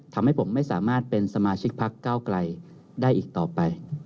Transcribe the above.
ทำให้ผมไม่สามารถเป็นสมาชิกพักเก้าไกลได้อีกต่อไป